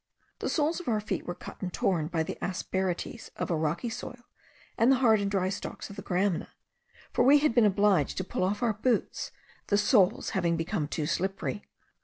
The soles of our feet were cut and torn by the asperities of a rocky soil and the hard and dry stalks of the gramina, for we had been obliged to pull off our boots, the soles having become too slippery.